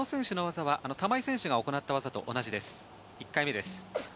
玉井選手が行った技と同じです。